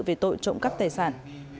về tội trộm cắp tài sản